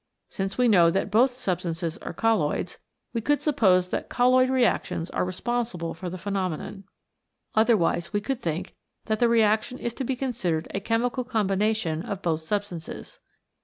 Since we know that both substances are colloids, we could suppose that colloid reactions are re sponsible for the phenomenon. Otherwise we could think that the reaction is to be considered a chemical combination of both substances.